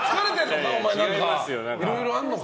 いろいろあるのか？